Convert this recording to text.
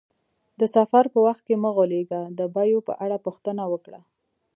د سفر په وخت کې مه غولیږه، د بیو په اړه پوښتنه وکړه.